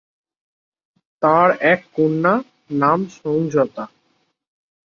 তাঁর এক কন্যা নাম-সংযতা।